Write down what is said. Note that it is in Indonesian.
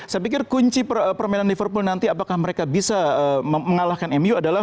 saya pikir kunci permainan liverpool nanti apakah mereka bisa mengalahkan mu adalah